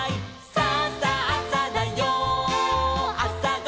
「さあさあさだよあさごはん」